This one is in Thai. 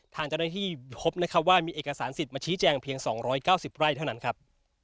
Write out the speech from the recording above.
ทางเจ้าหน้าที่พบนะครับว่ามีเอกสารสิทธิ์มาชี้แจงเพียง๒๙๐ไร่เท่านั้นครับ